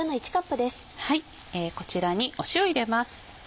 こちらに塩入れます。